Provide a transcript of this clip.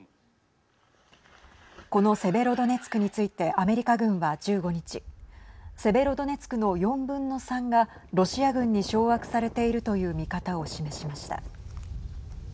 このセベロドネツクについてアメリカ軍は１５日セベロドネツクの４分の３がロシア軍に掌握されているという見方を示しました。